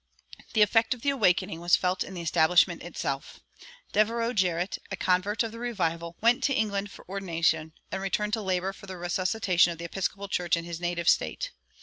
The effect of the Awakening was felt in the establishment itself. Devereux Jarratt, a convert of the revival, went to England for ordination, and returned to labor for the resuscitation of the Episcopal Church in his native State.